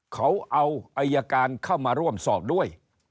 เขาเอาอายการเข้ามาร่วมสอบด้วย